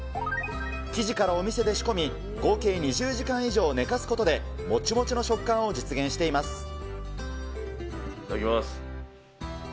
生地からお店で仕込み、合計２０時間以上寝かすことで、もちもちの食感を実現しています。